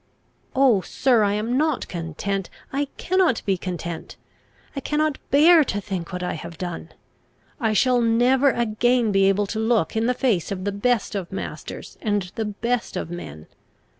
"Oh, sir, I am not content; I cannot be content! I cannot bear to think what I have done. I shall never again be able to look in the face of the best of masters and the best of men.